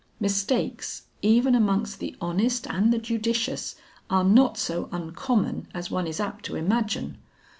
Mistakes, even amongst the honest and the judicious, are not so uncommon as one is apt to imagine.